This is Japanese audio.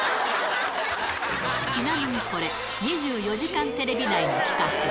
ちなみにこれ、２４時間テレビ内の企画。